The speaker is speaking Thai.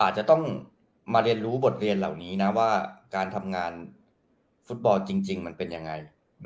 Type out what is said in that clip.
อาจจะต้องมาเรียนรู้บทเรียนเหล่านี้นะว่าการทำงานฟุตบอลจริงมันเป็นยังไง